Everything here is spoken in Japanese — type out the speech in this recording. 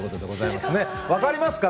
分かりますか？